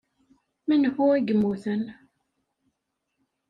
Menhu i yemmuten?